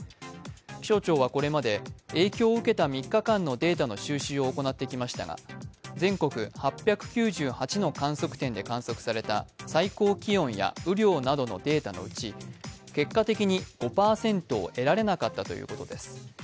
気象庁はこれまで、影響を受けた３日間のデータの収集を行ってきましたが全国８９８の観測点で観測された最高気温や雨量などのデータのうち結果的に５％を得られなかったということです。